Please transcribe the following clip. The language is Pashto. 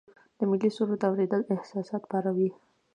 د ملي سرود اوریدل احساسات پاروي.